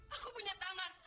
aku punya tangan